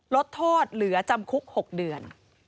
ลดโทษเหลือจำคุก๖เดือน